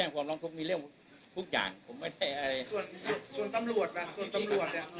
ขอขอขอขอขอขอขอขอขอขอขอขอขอขอขอขอขอขอขอขอ